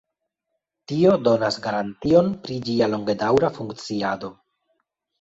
Tio donas garantion pri ĝia longedaŭra funkciado.